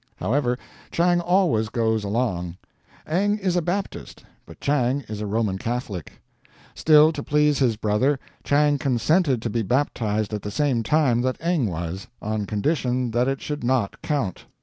However, Chang always goes along. Eng is a Baptist, but Chang is a Roman Catholic; still, to please his brother, Chang consented to be baptized at the same time that Eng was, on condition that it should not "count."